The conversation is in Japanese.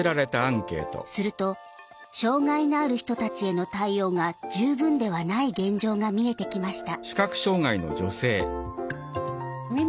すると、障害のある人たちへの対応が、十分ではない現状が見えてきました。